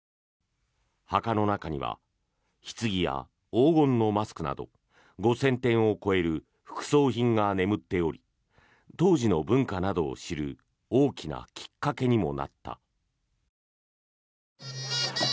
墓の中にはひつぎや黄金のマスクなど５０００点を超える副葬品が眠っており当時の文化などを知る大きなきっかけにもなった。